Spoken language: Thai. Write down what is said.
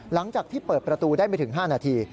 หลังจากที่เปิดประตูได้ไม่ถึง๕นาที